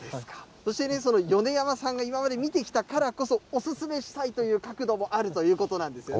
そして米山さんが今まで見てきたからこそ、お勧めしたいという角度もあるということなんですよね。